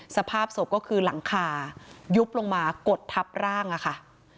สภาพศพก็คือหลังคายุบลงมากดทับร่างอะค่ะ